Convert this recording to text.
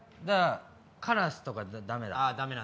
じゃあカラスとかじゃダメだ。